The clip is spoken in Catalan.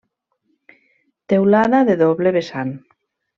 Teulada de doble vessant.